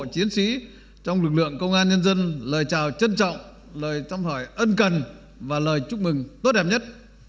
chiến sĩ trong lực lượng công an nhân dân lời chào trân trọng lời thăm hỏi ân cần và lời chúc mừng tốt đẹp nhất